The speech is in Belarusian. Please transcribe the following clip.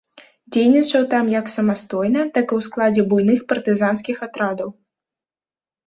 Дзейнічаў там як самастойна, так і ў складзе буйных партызанскіх атрадаў.